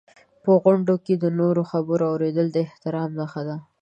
په غونډو کې د نورو خبرو اورېدل د احترام نښه ده.